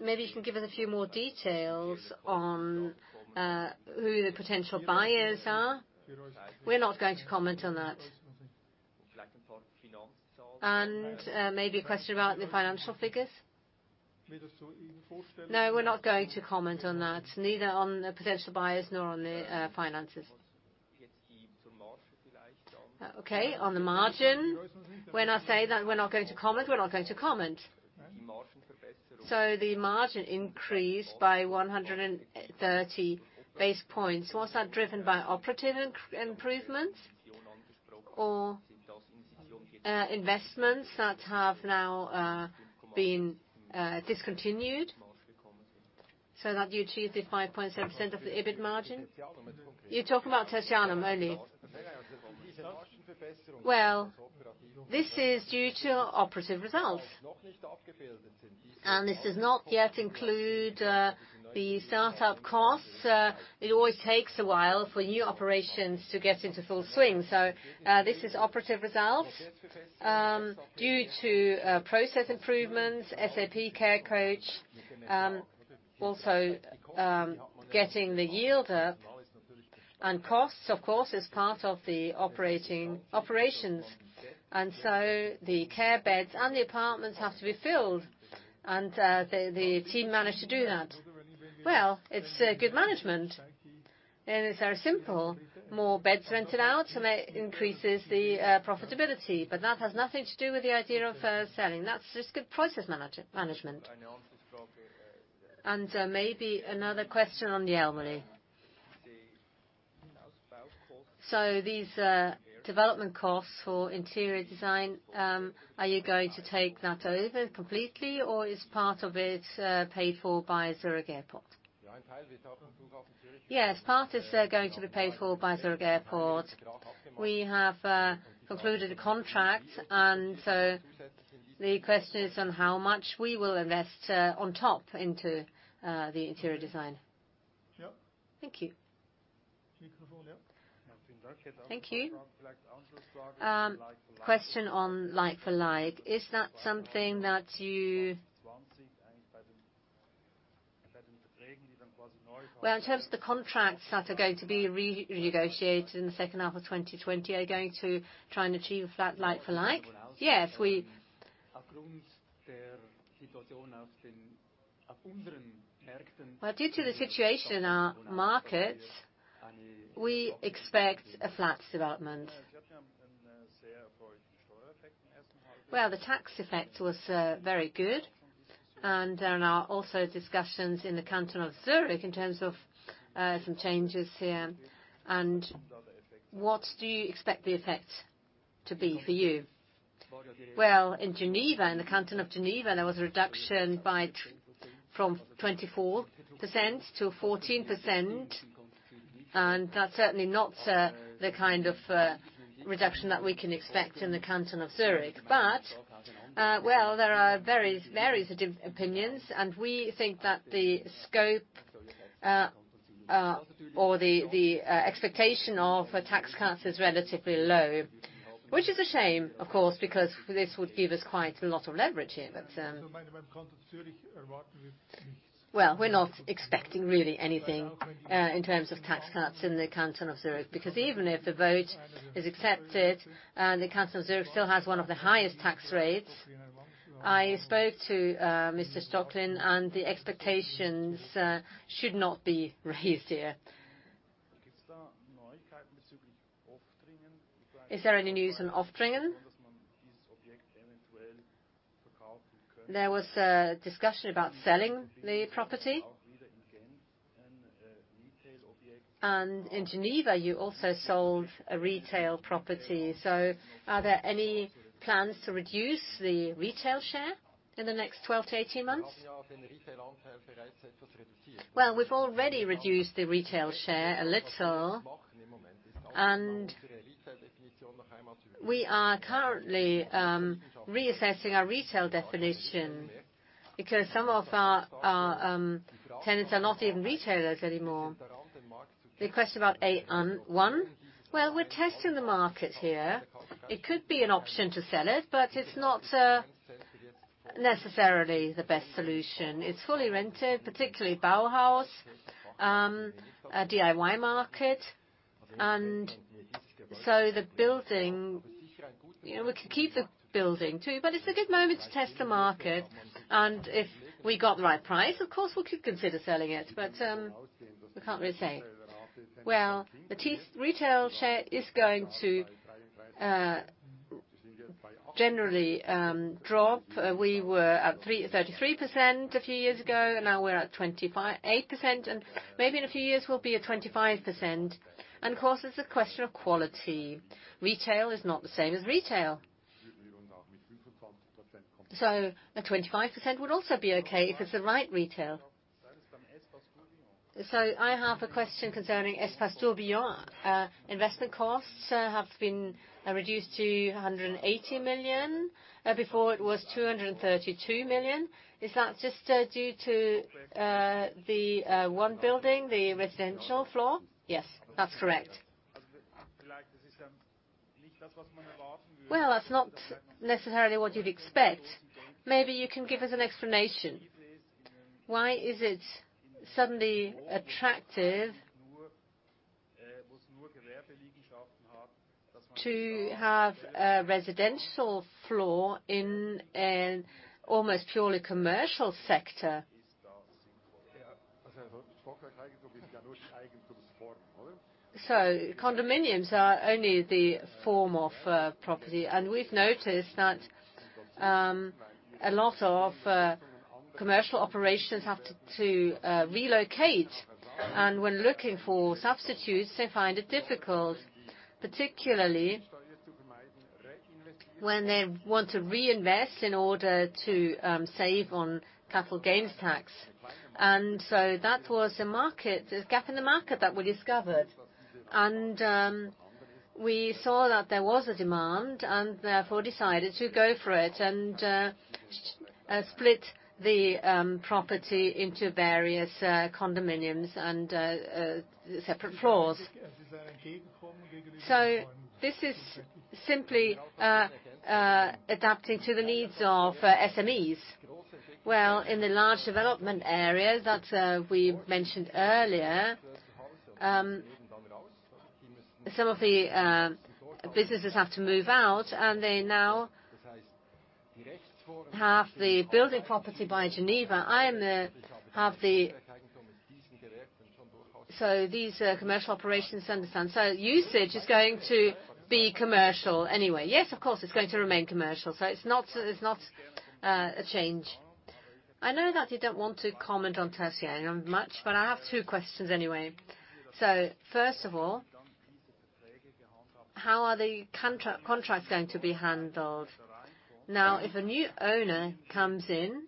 Speaker 4: Maybe you can give us a few more details on who the potential buyers are. We're not going to comment on that. Maybe a question about the financial figures. No, we're not going to comment on that, neither on the potential buyers nor on the finances. Okay, on the margin. When I say that we're not going to comment, we're not going to comment. The margin increased by 130 basis points. Was that driven by operative improvements or investments that have now been discontinued so that you achieve the 5.7% of the EBIT margin? You're talking about Tertianum only. Well, this is due to operative results. This does not yet include the startup costs. It always takes a while for new operations to get into full swing. This is operative results due to process improvements, Oral Care Coach, also getting the yield up. Costs, of course, is part of the operations. The care beds and the apartments have to be filled. The team managed to do that. Well, it's good management. It's very simple. More beds rented out, and that increases the profitability. That has nothing to do with the idea of selling. That's just good process management. Maybe another question on Jelmoli, maybe. These development costs for interior design, are you going to take that over completely, or is part of it paid for by Zurich Airport? Yes. Part is going to be paid for by Zurich Airport. We have concluded a contract, and so the question is on how much we will invest on top into the interior design. Thank you. Thank you. Question on like for like. Is that something that you, well, in terms of the contracts that are going to be renegotiated in the second half of 2020, are you going to try and achieve flat like for like? Yes. Well, due to the situation in our markets, we expect a flat development. Well, the tax effect was very good. There are now also discussions in the canton of Zurich in terms of some changes here. What do you expect the effect to be for you? Well, in Geneva, in the canton of Geneva, there was a reduction from 24% to 14%, and that's certainly not the kind of reduction that we can expect in the canton of Zurich. Well, there are various opinions, and we think that the scope, or the expectation of tax cuts is relatively low. Which is a shame, of course, because this would give us quite a lot of leverage here. Well, we're not expecting really anything, in terms of tax cuts in the canton of Zurich. Because even if the vote is accepted, the canton of Zurich still has one of the highest tax rates. I spoke to Mr. Stöckli, and the expectations should not be raised here. Is there any news on Oftringen? There was a discussion about selling the property. In Geneva, you also sold a retail property. Are there any plans to reduce the retail share in the next 12 to 18 months? We've already reduced the retail share a little. We are currently reassessing our retail definition because some of our tenants are not even retailers anymore. The question about A1? We're testing the market here. It could be an option to sell it, but it's not necessarily the best solution. It's fully rented, particularly Bauhaus, a DIY market. The building, we could keep the building too, but it's a good moment to test the market, and if we got the right price, of course we could consider selling it. We can't really say. The retail share is going to generally drop. We were at 33% a few years ago, and now we're at 28%, and maybe in a few years we'll be at 25%. Of course, it's a question of quality. Retail is not the same as retail. A 25% would also be okay if it's the right retail. I have a question concerning Espace Tourbillon. Investment costs have been reduced to 180 million. Before it was 232 million. Is that just due to the one building, the residential floor? Yes, that's correct. Well, that's not necessarily what you'd expect. Maybe you can give us an explanation. Why is it suddenly attractive to have a residential floor in an almost purely commercial sector? Condominiums are only the form of property. We've noticed that a lot of commercial operations have to relocate. When looking for substitutes, they find it difficult, particularly when they want to reinvest in order to save on capital gains tax. That was a gap in the market that we discovered. We saw that there was a demand and therefore decided to go for it and split the property into various condominiums and separate floors. This is simply adapting to the needs of SMEs. Well, in the large development area that we mentioned earlier, some of the businesses have to move out, and they now have the building property by Geneva. These are commercial operations. Understand. Usage is going to be commercial anyway. Yes, of course, it's going to remain commercial, so it's not a change. I know that you don't want to comment on Tertianum much, but I have two questions anyway. First of all, how are the contracts going to be handled? Now, if a new owner comes in,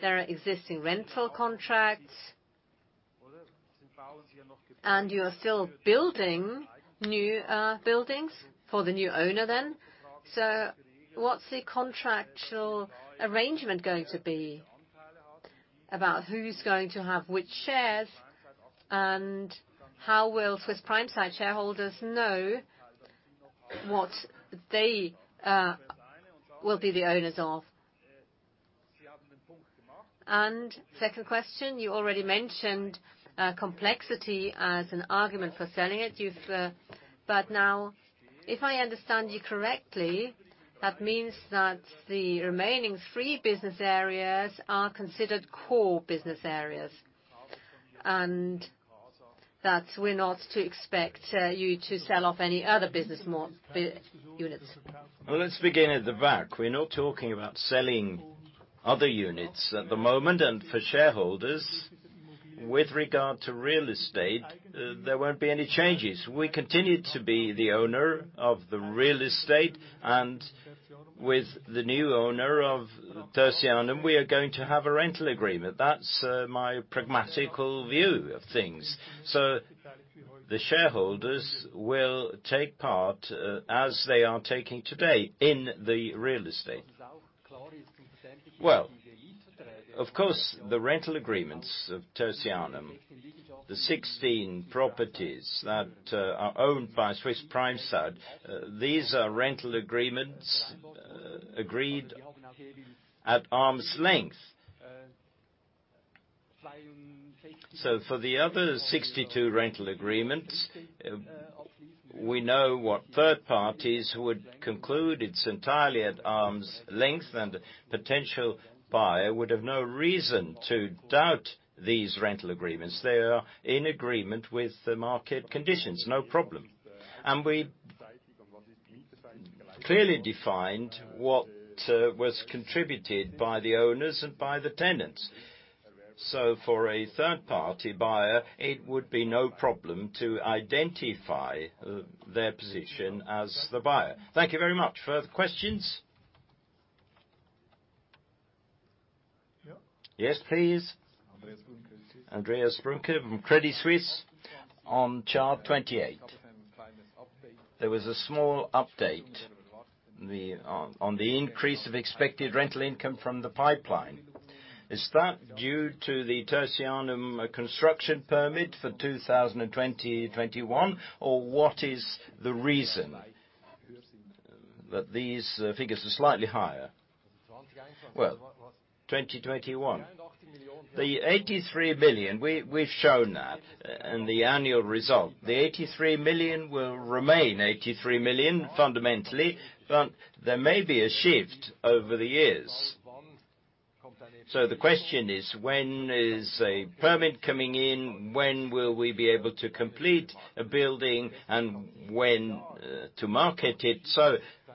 Speaker 4: there are existing rental contracts and you're still building new buildings for the new owner then. What's the contractual arrangement going to be about who's going to have which shares? How will Swiss Prime Site shareholders know what they will be the owners of. Second question, you already mentioned complexity as an argument for selling it. Now, if I understand you correctly, that means that the remaining three business areas are considered core business areas, and that we're not to expect you to sell off any other business units.
Speaker 2: Let's begin at the back. We are not talking about selling other units at the moment. For shareholders, with regard to real estate, there will not be any changes. We continue to be the owner of the real estate. With the new owner of Tertianum, we are going to have a rental agreement. That is my pragmatical view of things. The shareholders will take part as they are taking today in the real estate. Of course, the rental agreements of Tertianum, the 16 properties that are owned by Swiss Prime Site, these are rental agreements agreed at arm's length. For the other 62 rental agreements, we know what third parties would conclude. It is entirely at arm's length, and a potential buyer would have no reason to doubt these rental agreements. They are in agreement with the market conditions, no problem.
Speaker 1: We clearly defined what was contributed by the owners and by the tenants. For a third-party buyer, it would be no problem to identify their position as the buyer. Thank you very much. Further questions? Yes, please.
Speaker 3: Andreas Brunke from Credit Suisse. On chart 28, there was a small update on the increase of expected rental income from the pipeline. Is that due to the Tertianum construction permit for 2020, 2021, or what is the reason that these figures are slightly higher? 2021. The 83 million, we've shown that in the annual result. The 83 million will remain 83 million fundamentally, but there may be a shift over the years. The question is, when is a permit coming in? When will we be able to complete a building, and when to market it?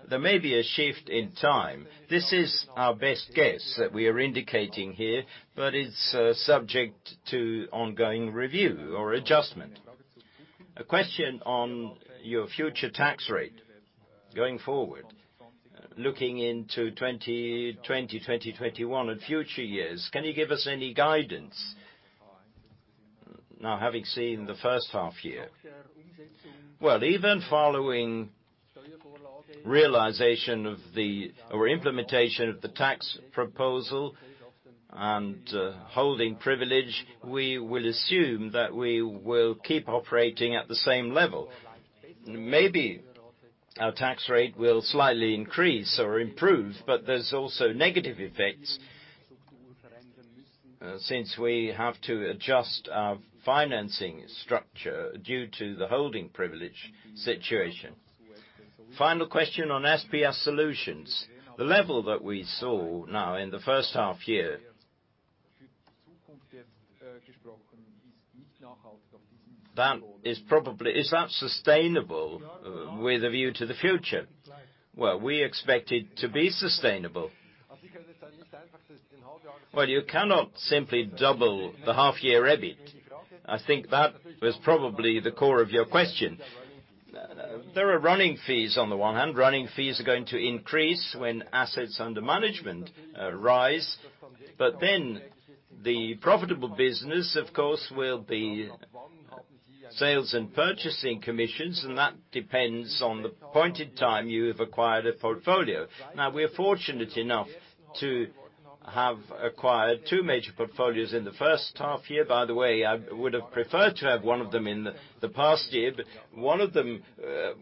Speaker 3: There may be a shift in time.
Speaker 1: This is our best guess that we are indicating here, but it's subject to ongoing review or adjustment. A question on your future tax rate going forward, looking into 2020, 2021, and future years. Can you give us any guidance now, having seen the first half year? Even following realization or implementation of the tax proposal and holding privilege, we will assume that we will keep operating at the same level. Maybe our tax rate will slightly increase or improve, but there's also negative effects since we have to adjust our financing structure due to the holding privilege situation. Final question on SPS Solutions. The level that we saw now in the first half year, is that sustainable with a view to the future? We expect it to be sustainable. You cannot simply double the half-year EBIT. I think that was probably the core of your question. There are running fees on the one hand. Running fees are going to increase when assets under management rise. The profitable business, of course, will be sales and purchasing commissions, and that depends on the point in time you have acquired a portfolio. We are fortunate enough to have acquired two major portfolios in the first half year. I would have preferred to have one of them in the past year, one of them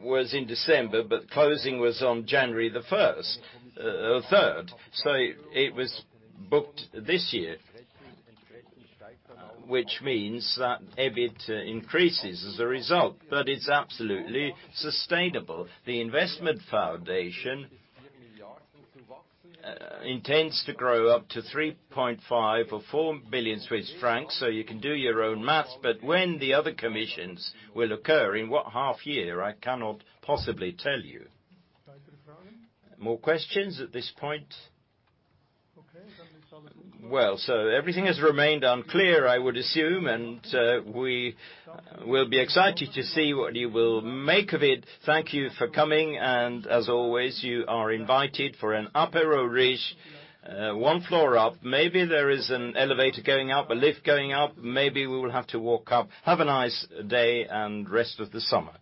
Speaker 1: was in December, closing was on January 3rd. It was booked this year, which means that EBIT increases as a result. It's absolutely sustainable. The investment foundation intends to grow up to 3.5 billion or 4 billion Swiss francs. You can do your own maths.
Speaker 3: When the other commissions will occur, in what half year, I cannot possibly tell you. More questions at this point? Everything has remained unclear, I would assume, and we will be excited to see what you will make of it. Thank you for coming, and as always, you are invited for an apéro riche one floor up. Maybe there is an elevator going up, a lift going up. Maybe we will have to walk up. Have a nice day and rest of the summer.